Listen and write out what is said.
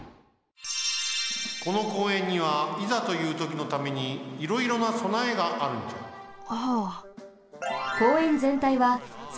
この公園にはいざというときのためにいろいろなそなえがあるんじゃ。